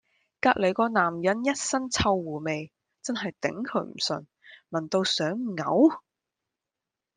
隔離嗰男人 ㄧ 身臭狐味，真係頂佢唔順，聞到想嘔